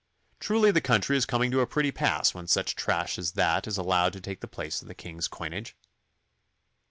Truly the country is coming to a pretty pass when such trash as that is allowed to take the place of the King's coinage.